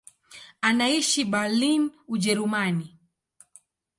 Anaishi Berlin, Ujerumani.